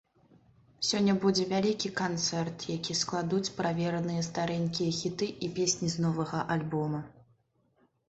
Сёння будзе вялікі канцэрт, які складуць правераныя старэнькія хіты і песні з новага альбома.